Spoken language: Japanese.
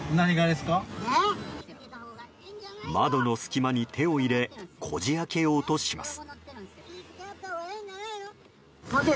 窓の隙間に手を入れこじ開けようとします。